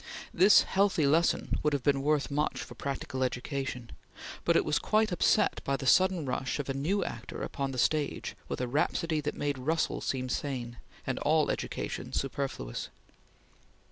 This healthy lesson would have been worth much for practical education, but it was quite upset by the sudden rush of a new actor upon the stage with a rhapsody that made Russell seem sane, and all education superfluous.